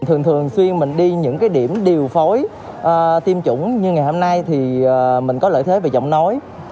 thường thường xuyên mình đi những cái điểm điều phối tiêm chủng như ngày hôm nay thì mình có lợi thế về giọng nói